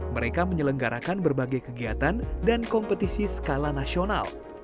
mereka menyelenggarakan berbagai kegiatan dan kompetisi skala nasional